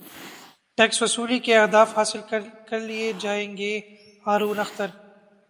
tax وصولی کے اہداف حاصل کرلئے جائیں گے ہارون اختر